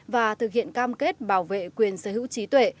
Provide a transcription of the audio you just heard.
và thực hiện cam kết bảo vệ quyền sở hữu trí tuệ